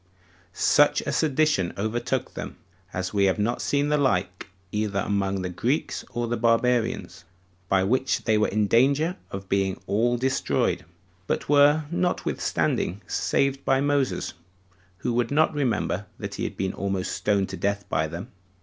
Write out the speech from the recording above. Such a sedition overtook them, as we have not the like example either among the Greeks or the Barbarians, by which they were in danger of being all destroyed, but were notwithstanding saved by Moses, who would not remember that he had been almost stoned to death by them.